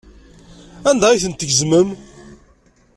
Anda ay ten-tgezmem?